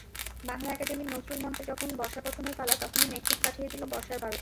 বাংলা একাডেমির নজরুল মঞ্চে যখন বর্ষাকথনের পালা, তখনই মেঘদূত পাঠিয়ে দিল বর্ষার বারতা।